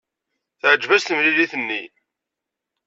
Teɛjeb-as temlilit-nni.